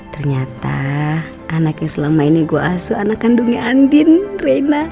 ternyata anak yang selama ini gue asuh anak kandungnya andin reina